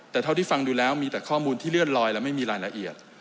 แต่เท่าที่ฟังดูแล้วมีแต่ข้อมูลที่เลื่อนลอยและไม่มีรายละเอียด